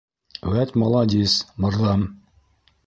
- Вәт маладис, мырҙам!